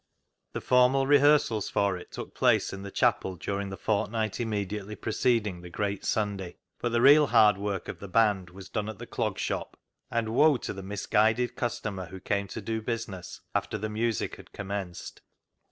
The formal rehearsals for it took place in the chapel during the fortnight immediately preceding the great Sunday, but the real hard work of the band was done at the Clog Shop, and woe to the misguided customer who came to do business after the music had commenced.